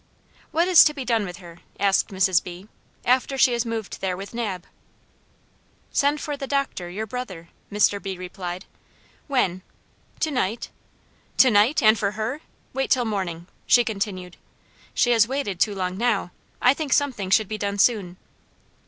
"What is to be done with her," asked Mrs. B., "after she is moved there with Nab?" "Send for the Dr., your brother," Mr. B. replied. "When?" "To night." "To night! and for her! Wait till morning," she continued. "She has waited too long now; I think something should be done soon."